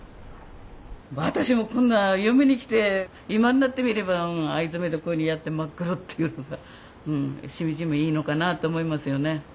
私もこんな嫁に来て今になってみれば藍染めでこういうのやって真っ黒っていうのがうんしみじみいいのかなと思いますよね。